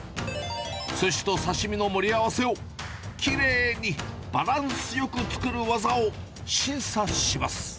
すしと刺身の盛り合わせをきれいにバランスよく作る技を審査します。